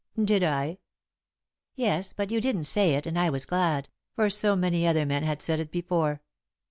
"Did I?" "Yes, but you didn't say it and I was glad, for so many other men had said it before."